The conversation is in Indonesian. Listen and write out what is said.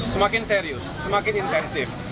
semakin serius semakin intensif